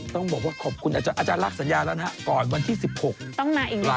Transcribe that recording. ต้องบอกว่าขอบคุณอาจารย์อาจารย์ลักษณ์สัญญาแล้วนะฮะ